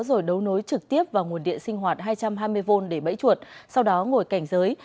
rồi đấu nối trực tiếp vào nguồn điện sinh hoạt hai trăm hai mươi v để bẫy chuột sau đó ngồi cảnh giới